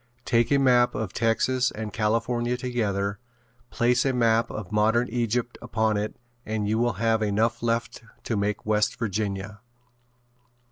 Take a map of Texas and California together, place a map of modern Egypt upon it and you will have enough left to make West Virginia.